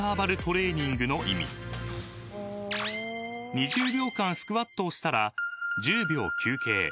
［２０秒間スクワットをしたら１０秒休憩。